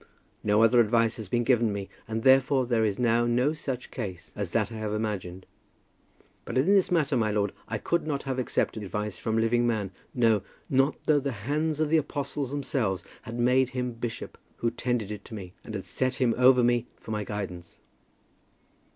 No other advice has been given me, and therefore there is now no such case as that I have imagined. But in this matter, my lord, I could not have accepted advice from living man, no, not though the hands of the apostles themselves had made him bishop who tendered it to me, and had set him over me for my guidance.